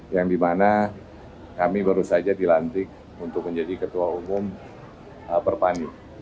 yang dimana kami baru saja dilantik untuk menjadi ketua umum perpani